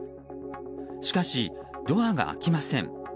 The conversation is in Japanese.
しかし、ドアが開きません。